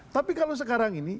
tapi kalau sekarang ini